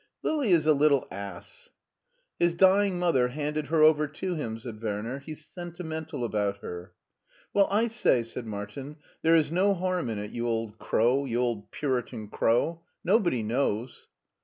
" Lili is a little ass." " His dying mother handed her over to him," said Werner; " he's sentimental about her." " Well, I say," said Martin, " there is no harm in it, you old crow, you old Puritan crow. Nobody knows."